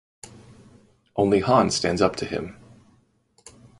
Only Hahn stands up to him.